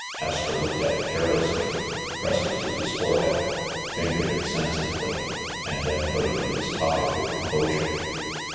Astro looked at it carelessly, pressed it to his fore head, fingered it sensitively, and then put it in his pocket with composure.